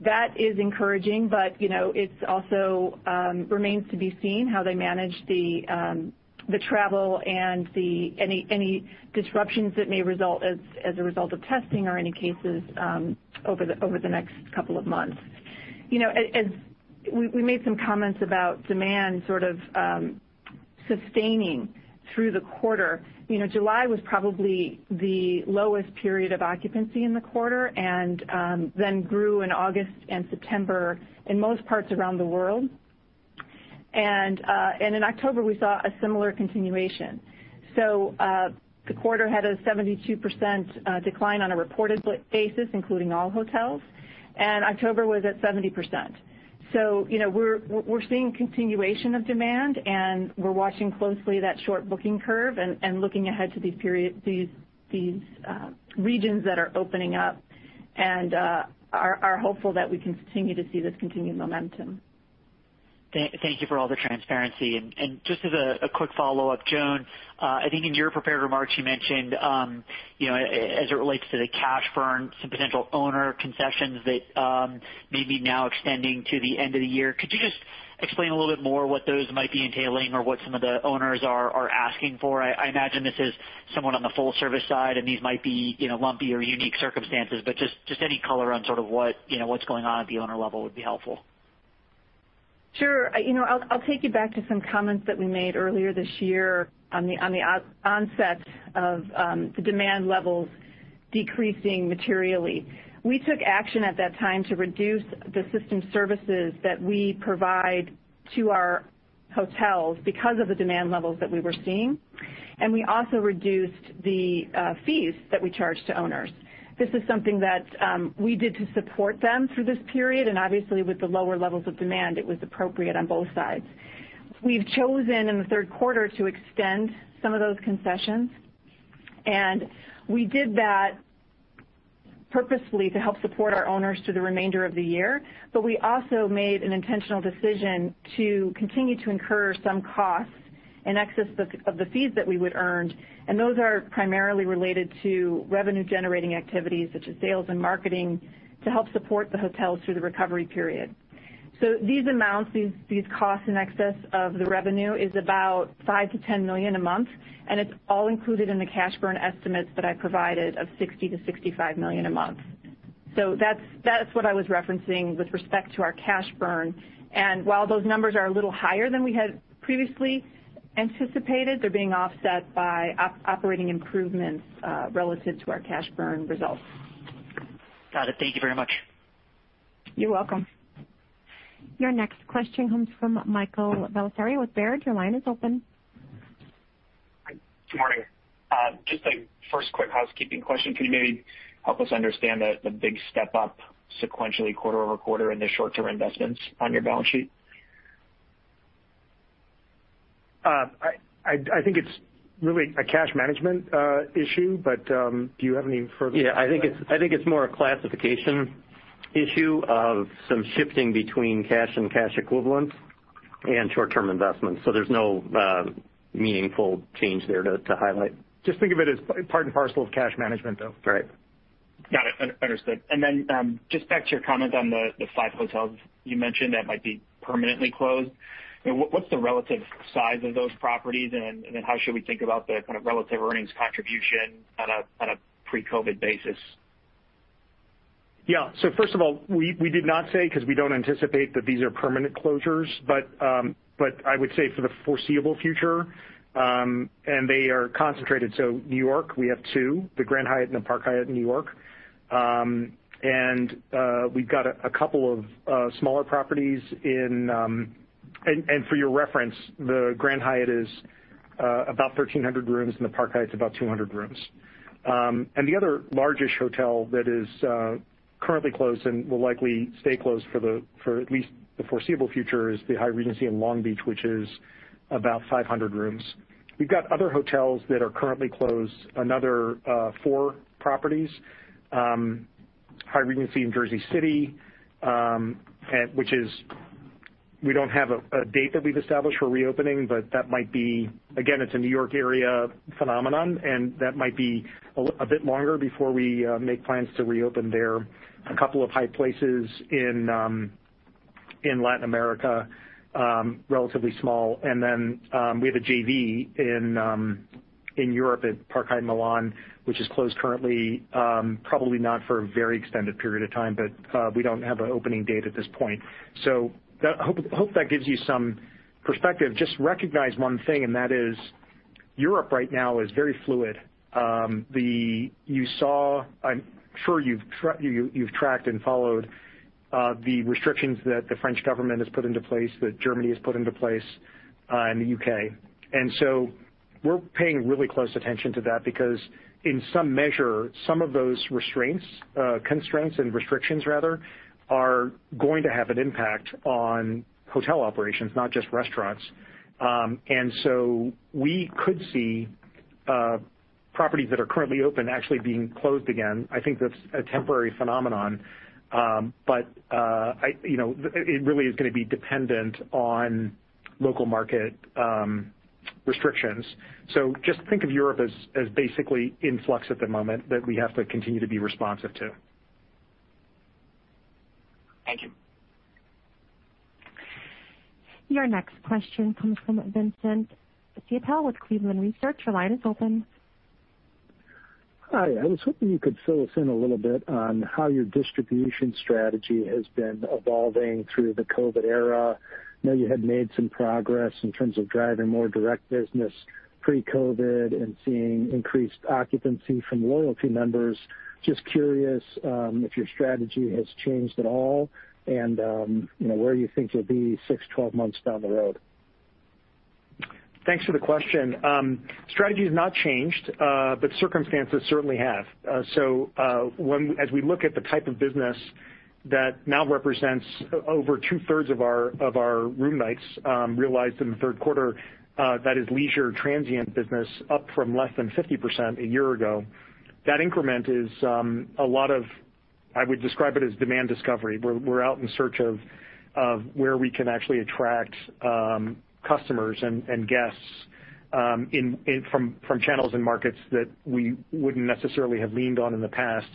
That is encouraging, but it also remains to be seen how they manage the travel and any disruptions that may result as a result of testing or any cases over the next couple of months. We made some comments about demand sort of sustaining through the quarter. July was probably the lowest period of occupancy in the quarter and then grew in August and September in most parts around the world. In October, we saw a similar continuation. The quarter had a 72% decline on a reported basis, including all hotels, and October was at 70%. We're seeing continuation of demand, and we're watching closely that short booking curve and looking ahead to these regions that are opening up and are hopeful that we can continue to see this continued momentum. Thank you for all the transparency. Just as a quick follow-up, Joan, I think in your prepared remarks, you mentioned as it relates to the cash burn and potential owner concessions that may be now extending to the end of the year. Could you just explain a little bit more what those might be entailing or what some of the owners are asking for? I imagine this is someone on the full-service side, and these might be lumpy or unique circumstances, but just any color on sort of what's going on at the owner level would be helpful. Sure. I'll take you back to some comments that we made earlier this year on the onset of the demand levels decreasing materially. We took action at that time to reduce the system services that we provide to our hotels because of the demand levels that we were seeing, and we also reduced the fees that we charge to owners. This is something that we did to support them through this period, and obviously, with the lower levels of demand, it was appropriate on both sides. We've chosen in the third quarter to extend some of those concessions, and we did that purposefully to help support our owners through the remainder of the year, but we also made an intentional decision to continue to incur some costs in excess of the fees that we would earn, and those are primarily related to revenue-generating activities such as sales and marketing to help support the hotels through the recovery period. These amounts, these costs in excess of the revenue, is about $5 million-$10 million a month, and it's all included in the cash burn estimates that I provided of $60 million-$65 million a month. That's what I was referencing with respect to our cash burn. While those numbers are a little higher than we had previously anticipated, they're being offset by operating improvements relative to our cash burn results. Got it. Thank you very much. You're welcome. Your next question comes from Michael Bellisario with Baird. Your line is open. Good morning. Just a first quick housekeeping question. Can you maybe help us understand the big step-up sequentially quarter over quarter in the short-term investments on your balance sheet? I think it's really a cash management issue, but do you have any further? Yeah. I think it's more a classification issue of some shifting between cash and cash equivalents and short-term investments. So there's no meaningful change there to highlight. Just think of it as part and parcel of cash management, though. Right. Got it. Understood. And then just back to your comment on the five hotels you mentioned that might be permanently closed, what's the relative size of those properties, and then how should we think about the kind of relative earnings contribution on a pre-COVID basis? Yeah. First of all, we did not say because we do not anticipate that these are permanent closures, but I would say for the foreseeable future, and they are concentrated. New York, we have two, the Grand Hyatt and the Park Hyatt in New York. We have a couple of smaller properties in, and for your reference, the Grand Hyatt is about 1,300 rooms and the Park Hyatt is about 200 rooms. The other largest hotel that is currently closed and will likely stay closed for at least the foreseeable future is the Hyatt Regency in Long Beach, which is about 500 rooms. We've got other hotels that are currently closed, another four properties, Hyatt Regency in Jersey City, which is we don't have a date that we've established for reopening, but that might be, again, it's a New York area phenomenon, and that might be a bit longer before we make plans to reopen there. A couple of Hyatt Places in Latin America, relatively small. Then we have a JV in Europe at Park Hyatt Milan, which is closed currently, probably not for a very extended period of time, but we don't have an opening date at this point. I hope that gives you some perspective. Just recognize one thing, and that is Europe right now is very fluid. You saw, I'm sure you've tracked and followed the restrictions that the French government has put into place, that Germany has put into place, and the U.K. We are paying really close attention to that because in some measure, some of those constraints and restrictions, rather, are going to have an impact on hotel operations, not just restaurants. We could see properties that are currently open actually being closed again. I think that is a temporary phenomenon, but it really is going to be dependent on local market restrictions. Just think of Europe as basically in flux at the moment that we have to continue to be responsive to. Thank you. Your next question comes from Vince Ciepiel with Cleveland Research. Your line is open. Hi. I was hoping you could fill us in a little bit on how your distribution strategy has been evolving through the COVID era. I know you had made some progress in terms of driving more direct business pre-COVID and seeing increased occupancy from loyalty members. Just curious if your strategy has changed at all and where you think you'll be 6, 12 months down the road. Thanks for the question. Strategy has not changed, but circumstances certainly have. As we look at the type of business that now represents over two-thirds of our room nights realized in the third quarter, that is leisure transient business, up from less than 50% a year ago. That increment is a lot of, I would describe it as demand discovery. We're out in search of where we can actually attract customers and guests from channels and markets that we wouldn't necessarily have leaned on in the past.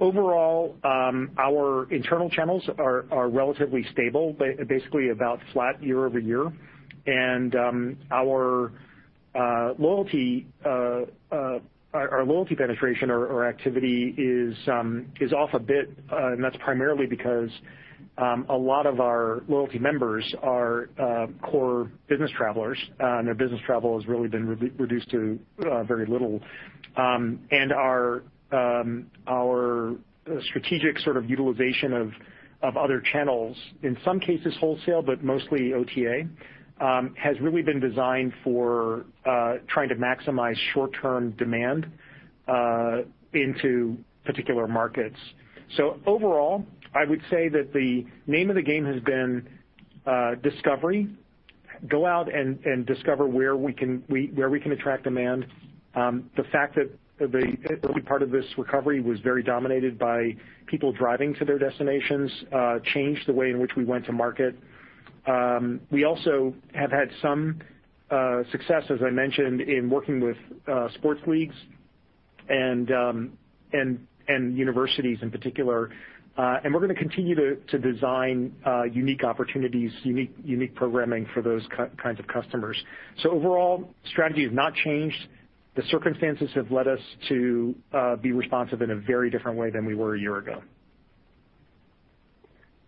Overall, our internal channels are relatively stable, basically about flat year over year. Our loyalty penetration or activity is off a bit, and that's primarily because a lot of our loyalty members are core business travelers, and their business travel has really been reduced to very little. Our strategic sort of utilization of other channels, in some cases wholesale, but mostly OTA, has really been designed for trying to maximize short-term demand into particular markets. Overall, I would say that the name of the game has been discovery. Go out and discover where we can attract demand. The fact that the early part of this recovery was very dominated by people driving to their destinations changed the way in which we went to market. We also have had some success, as I mentioned, in working with sports leagues and universities in particular, and we're going to continue to design unique opportunities, unique programming for those kinds of customers. Overall, strategy has not changed. The circumstances have led us to be responsive in a very different way than we were a year ago.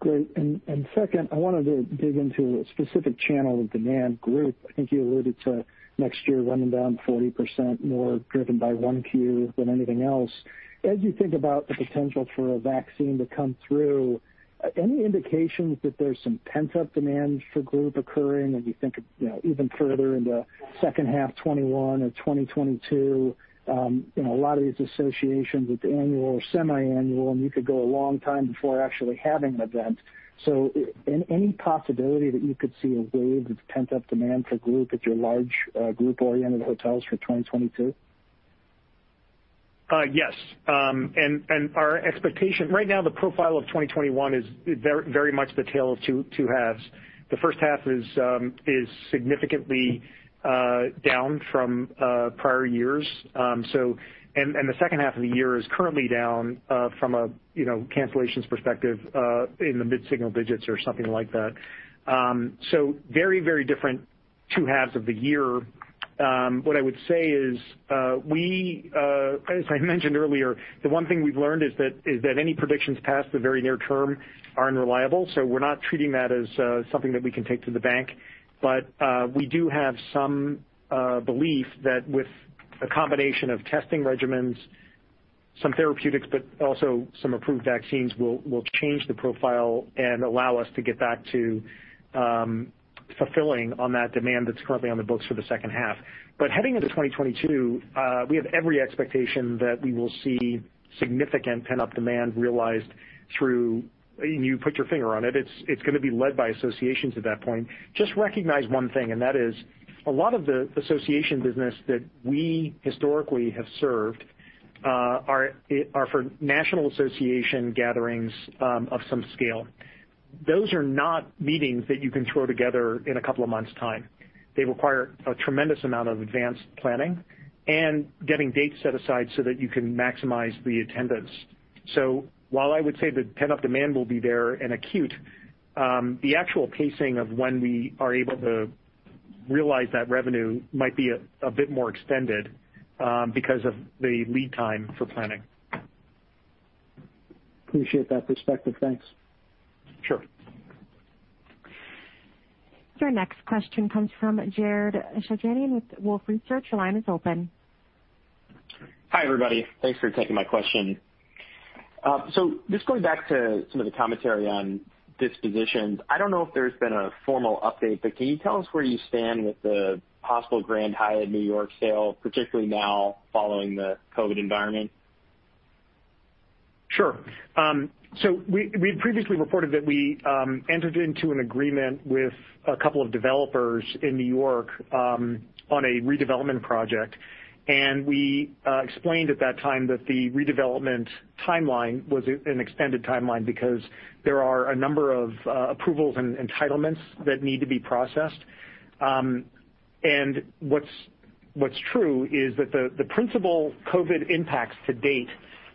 Great. Second, I wanted to dig into a specific channel of demand group. I think you alluded to next year running down 40% more driven by Q1 than anything else. As you think about the potential for a vaccine to come through, any indications that there's some pent-up demand for group occurring and you think even further into second half 2021 or 2022? A lot of these associations with annual or semi-annual, and you could go a long time before actually having an event. Any possibility that you could see a wave of pent-up demand for group at your large group-oriented hotels for 2022? Yes. Our expectation right now, the profile of 2021 is very much the tale of two halves. The first half is significantly down from prior years, and the second half of the year is currently down from a cancellations perspective in the mid-single digits or something like that. Very, very different two halves of the year. What I would say is, as I mentioned earlier, the one thing we've learned is that any predictions past the very near term are unreliable, so we're not treating that as something that we can take to the bank. We do have some belief that with a combination of testing regimens, some therapeutics, but also some approved vaccines will change the profile and allow us to get back to fulfilling on that demand that's currently on the books for the second half. Heading into 2022, we have every expectation that we will see significant pent-up demand realized through, and you put your finger on it, it's going to be led by associations at that point. Just recognize one thing, and that is a lot of the association business that we historically have served are for national association gatherings of some scale. Those are not meetings that you can throw together in a couple of months' time. They require a tremendous amount of advanced planning and getting dates set aside so that you can maximize the attendance. While I would say the pent-up demand will be there and acute, the actual pacing of when we are able to realize that revenue might be a bit more extended because of the lead time for planning. Appreciate that perspective. Thanks. Sure. Your next question comes from Jared Shojaian with Wolfe Research.Your line is open. Hi everybody. Thanks for taking my question. Just going back to some of the commentary on dispositions, I do not know if there has been a formal update, but can you tell us where you stand with the possible Grand Hyatt New York sale, particularly now following the COVID environment? Sure. We previously reported that we entered into an agreement with a couple of developers in New York on a redevelopment project, and we explained at that time that the redevelopment timeline was an extended timeline because there are a number of approvals and entitlements that need to be processed. What's true is that the principal COVID impacts to date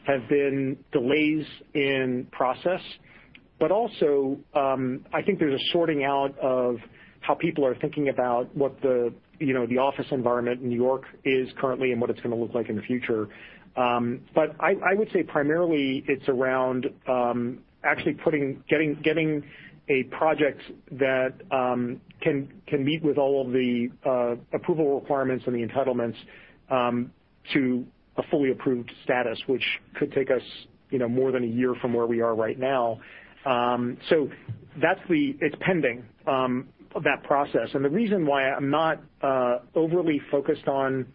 have been delays in process, but also I think there's a sorting out of how people are thinking about what the office environment in New York is currently and what it's going to look like in the future. I would say primarily it's around actually getting a project that can meet with all of the approval requirements and the entitlements to a fully approved status, which could take us more than a year from where we are right now. It's pending, that process. The reason why I'm not overly focused on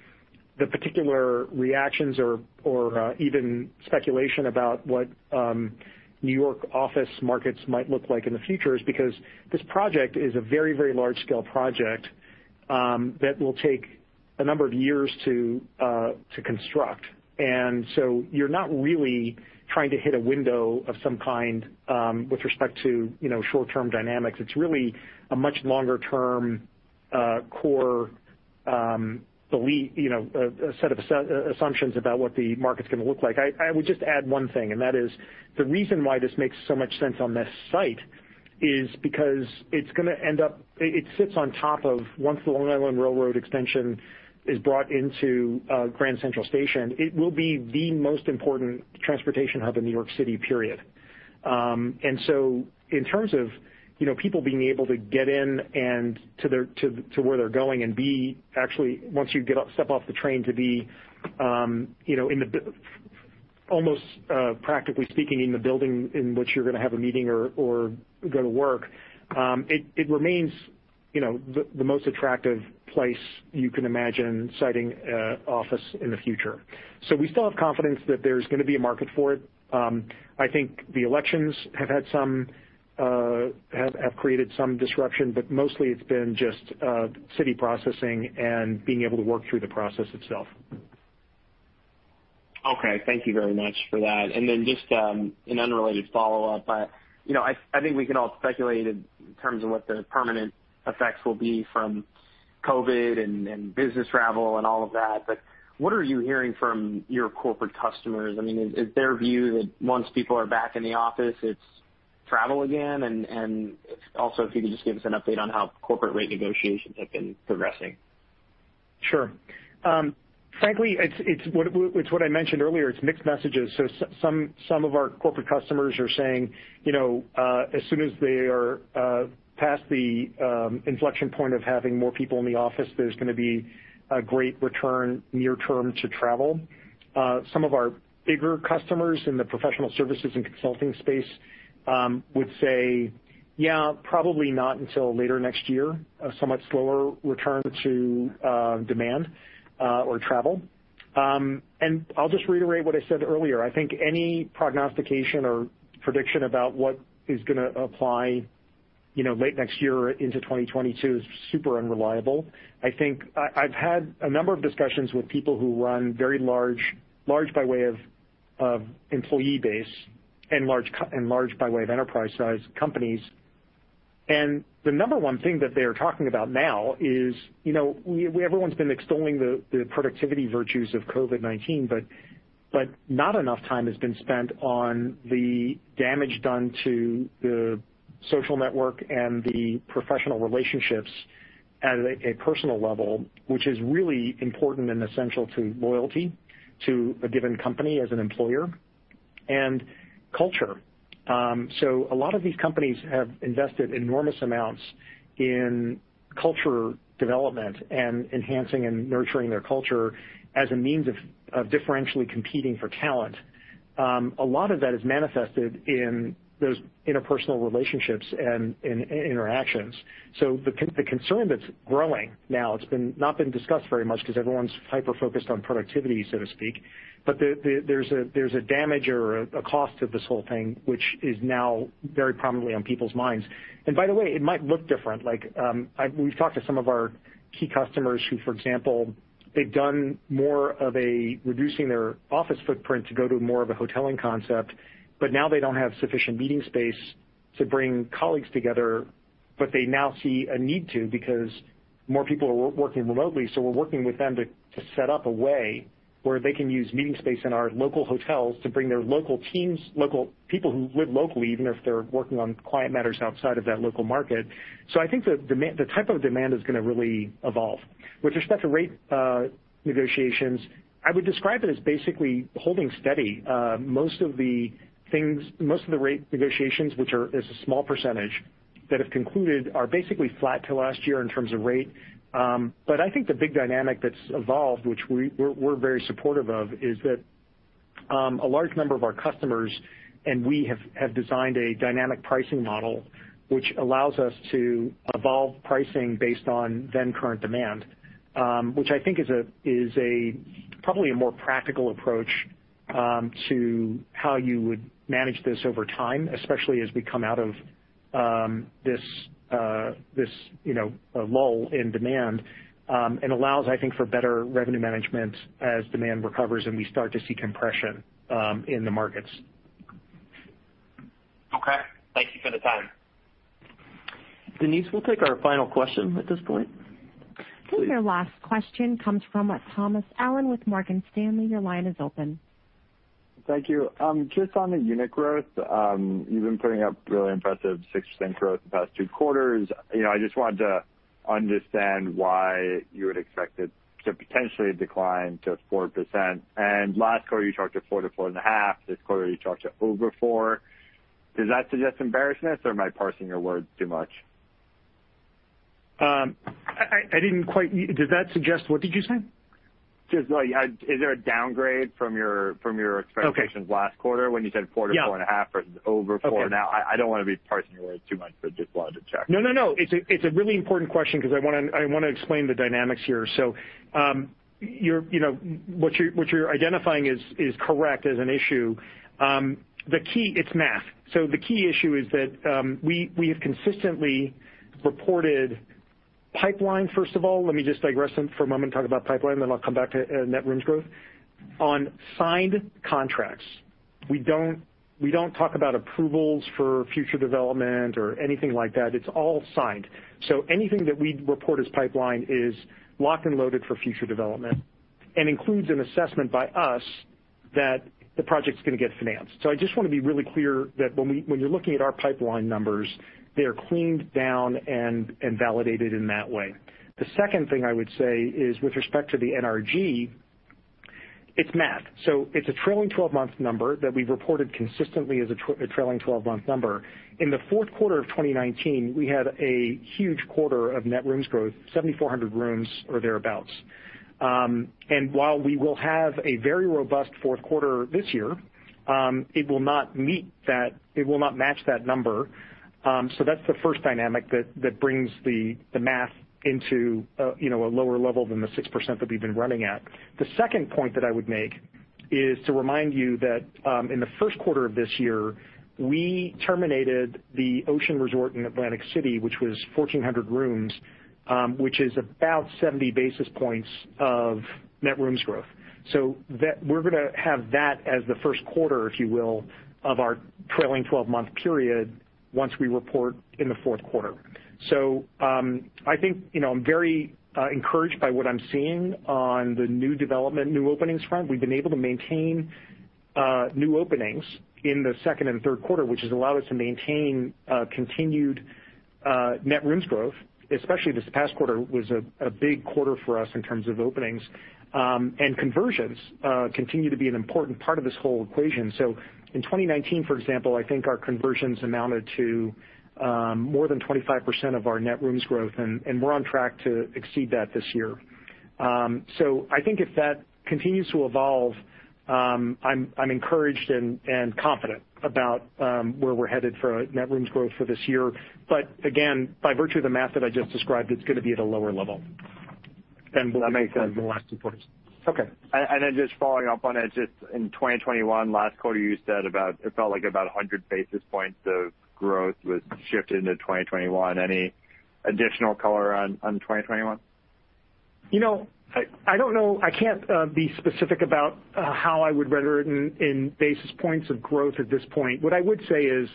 the particular reactions or even speculation about what New York office markets might look like in the future is because this project is a very, very large-scale project that will take a number of years to construct. You're not really trying to hit a window of some kind with respect to short-term dynamics. It's really a much longer-term core belief, a set of assumptions about what the market's going to look like. I would just add one thing, and that is the reason why this makes so much sense on this site is because it's going to end up, it sits on top of once the Long Island Railroad Extension is brought into Grand Central Station, it will be the most important transportation hub in New York City, period. In terms of people being able to get in and to where they're going and be actually, once you step off the train to be in the, almost practically speaking, in the building in which you're going to have a meeting or go to work, it remains the most attractive place you can imagine citing office in the future. We still have confidence that there's going to be a market for it. I think the elections have created some disruption, but mostly it's been just city processing and being able to work through the process itself. Okay. Thank you very much for that. And then just an unrelated follow-up, I think we can all speculate in terms of what the permanent effects will be from COVID and business travel and all of that, but what are you hearing from your corporate customers? I mean, is their view that once people are back in the office, it's travel again? Also, if you could just give us an update on how corporate rate negotiations have been progressing. Sure. Frankly, it's what I mentioned earlier. It's mixed messages. Some of our corporate customers are saying as soon as they are past the inflection point of having more people in the office, there's going to be a great return near term to travel. Some of our bigger customers in the professional services and consulting space would say, "Yeah, probably not until later next year, a somewhat slower return to demand or travel." I'll just reiterate what I said earlier. I think any prognostication or prediction about what is going to apply late next year into 2022 is super unreliable. I think I've had a number of discussions with people who run very large by way of employee base and large by way of enterprise size companies. The number one thing that they are talking about now is everyone's been extolling the productivity virtues of COVID-19, but not enough time has been spent on the damage done to the social network and the professional relationships at a personal level, which is really important and essential to loyalty to a given company as an employer and culture. A lot of these companies have invested enormous amounts in culture development and enhancing and nurturing their culture as a means of differentially competing for talent. A lot of that is manifested in those interpersonal relationships and interactions. The concern that's growing now, it's not been discussed very much because everyone's hyper-focused on productivity, so to speak, but there's a damage or a cost to this whole thing, which is now very prominently on people's minds. By the way, it might look different. We've talked to some of our key customers who, for example, they've done more of a reducing their office footprint to go to more of a hoteling concept, but now they don't have sufficient meeting space to bring colleagues together, but they now see a need to because more people are working remotely. We're working with them to set up a way where they can use meeting space in our local hotels to bring their local teams, local people who live locally, even if they're working on client matters outside of that local market. I think the type of demand is going to really evolve. With respect to rate negotiations, I would describe it as basically holding steady. Most of the things, most of the rate negotiations, which is a small percentage that have concluded, are basically flat to last year in terms of rate. I think the big dynamic that has evolved, which we are very supportive of, is that a large number of our customers and we have designed a dynamic pricing model, which allows us to evolve pricing based on then current demand, which I think is probably a more practical approach to how you would manage this over time, especially as we come out of this lull in demand and allows, I think, for better revenue management as demand recovers and we start to see compression in the markets. Okay. Thank you for the time. Denise, we'll take our final question at this point. Your last question comes from Thomas Allen with Morgan Stanley. Your line is open. Thank you. Just on the unit growth, you've been putting up really impressive 6% growth the past two quarters. I just wanted to understand why you would expect it to potentially decline to 4%. And last quarter, you talked to 4-4.5. This quarter, you talked to over 4. Does that suggest embarrassment or am I parsing your words too much? I didn't quite—does that suggest—what did you say? Just is there a downgrade from your expectations last quarter when you said 4-4.5 versus over 4? Now, I don't want to be parsing your words too much, but just wanted to check. No, no, no. It's a really important question because I want to explain the dynamics here. What you're identifying is correct as an issue. The key, it's math. The key issue is that we have consistently reported pipeline, first of all. Let me just digress for a moment and talk about pipeline, then I'll come back to net rooms growth. On signed contracts, we don't talk about approvals for future development or anything like that. It's all signed. Anything that we report as pipeline is locked and loaded for future development and includes an assessment by us that the project's going to get financed. I just want to be really clear that when you're looking at our pipeline numbers, they're cleaned down and validated in that way. The second thing I would say is with respect to the NRG, it's math. It's a trailing 12-month number that we've reported consistently as a trailing 12-month number. In the fourth quarter of 2019, we had a huge quarter of net rooms growth, 7,400 rooms or thereabouts. While we will have a very robust fourth quarter this year, it will not meet that. It will not match that number. That's the first dynamic that brings the math into a lower level than the 6% that we've been running at. The second point that I would make is to remind you that in the first quarter of this year, we terminated the Ocean Resort in Atlantic City, which was 1,400 rooms, which is about 70 basis points of net rooms growth. We're going to have that as the first quarter, if you will, of our trailing 12-month period once we report in the fourth quarter. I think I'm very encouraged by what I'm seeing on the new development, new openings front. We've been able to maintain new openings in the second and third quarter, which has allowed us to maintain continued net rooms growth, especially this past quarter was a big quarter for us in terms of openings. Conversions continue to be an important part of this whole equation. In 2019, for example, I think our conversions amounted to more than 25% of our net rooms growth, and we're on track to exceed that this year. I think if that continues to evolve, I'm encouraged and confident about where we're headed for net rooms growth for this year. Again, by virtue of the math that I just described, it's going to be at a lower level than the last two quarters. Okay. Just following up on it, just in 2021, last quarter, you said it felt like about 100 basis points of growth was shifted into 2021. Any additional color on 2021? I don't know. I can't be specific about how I would render it in basis points of growth at this point. What I would say is,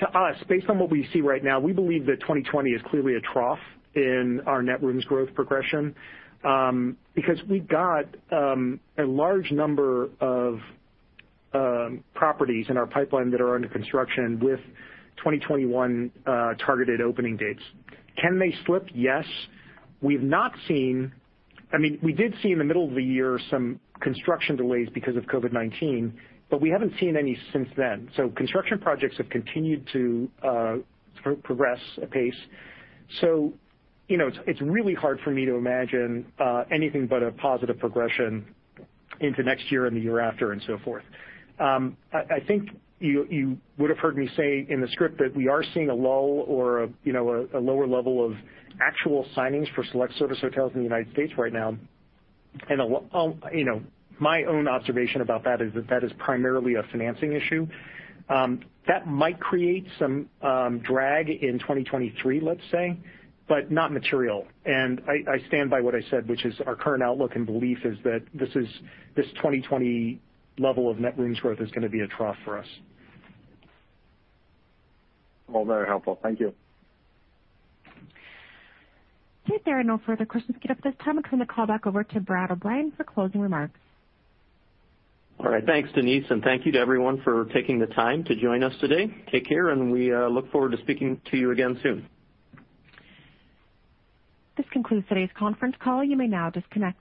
to us, based on what we see right now, we believe that 2020 is clearly a trough in our net rooms growth progression because we've got a large number of properties in our pipeline that are under construction with 2021 targeted opening dates. Can they slip? Yes. We've not seen, I mean, we did see in the middle of the year some construction delays because of COVID-19, but we haven't seen any since then. Construction projects have continued to progress at pace. It is really hard for me to imagine anything but a positive progression into next year and the year after and so forth. I think you would have heard me say in the script that we are seeing a lull or a lower level of actual signings for select service hotels in the United States right now. My own observation about that is that that is primarily a financing issue. That might create some drag in 2023, let's say, but not material. I stand by what I said, which is our current outlook and belief is that this 2020 level of net rooms growth is going to be a trough for us. Very helpful. Thank you. If there are no further questions we can get at this time, I'll turn the call back over to Brad O'Bryan for closing remarks. All right. Thanks, Denise. Thank you to everyone for taking the time to join us today. Take care, and we look forward to speaking to you again soon. This concludes today's conference call. You may now disconnect.